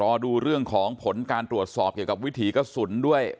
รอดูเรื่องของผลการตรวจสอบเกี่ยวกับวิถีกระสุนด้วย